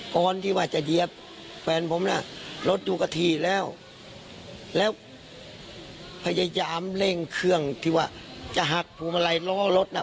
ก่อนที่ว่าจะเหยียบแฟนผมน่ะรถดูกระถี่แล้วแล้วพยายามเร่งเครื่องที่ว่าจะหักพวงมาลัยล้อรถน่ะ